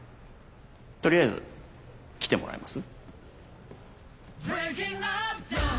取りあえず来てもらえます？